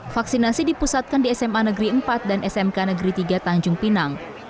vaksinasi dipusatkan di sma negeri empat dan smk negeri tiga tanjung pinang